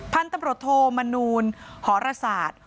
พันธุ์ตำรวจโทมนูลหอรสาท